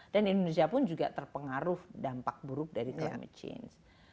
dan indonesia pun juga terpengaruh dampak buruk dari climate change